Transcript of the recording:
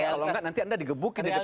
kalau gak nanti anda di gebukin di dprd